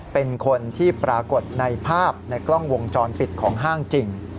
เป็นคนที่ปรากฏในภาพในกล้องวงจรปิดของห้างจริง